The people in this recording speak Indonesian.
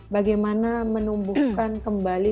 bagaimana menumbuhkan kembali